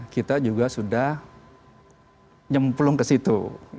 kita juga sudah nyemplung ke situ